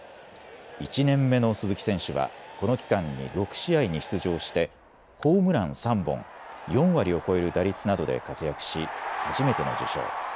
１年目の鈴木選手はこの期間に６試合に出場してホームラン３本、４割を超える打率などで活躍し、初めての受賞。